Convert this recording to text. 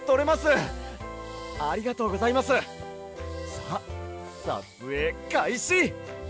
さあさつえいかいし！